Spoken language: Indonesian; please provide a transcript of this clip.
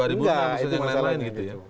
bisa yang lain lain gitu ya